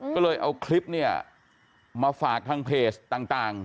ก็เลยเอาคลิปเนี่ยมาฝากทางเพจต่าง